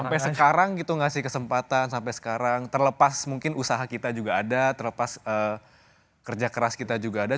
sampai sekarang gitu ngasih kesempatan sampai sekarang terlepas mungkin usaha kita juga ada terlepas kerja keras kita juga ada